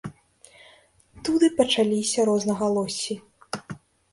Тут і пачаліся рознагалоссі.